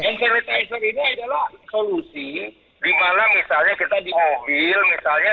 hand sanitizer ini adalah solusi di mana misalnya kita di mobil misalnya